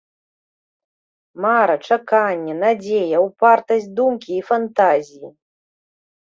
Мара, чаканне, надзея, упартасць думкі і фантазіі!